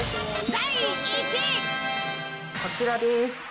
こちらです。